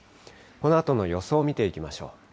このあとの予想を見ていきましょう。